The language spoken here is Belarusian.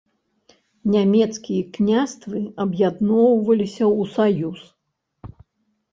Нямецкія княствы аб'ядноўваліся ў саюз.